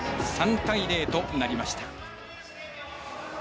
３対０となりました。